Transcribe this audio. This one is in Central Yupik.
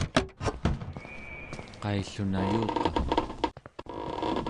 qaillun ayuqa?